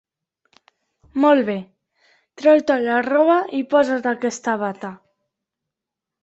Molt bé. Treu-te la roba i posa't aquesta bata.